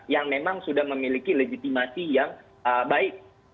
yang memang sudah memiliki legitimasi yang baik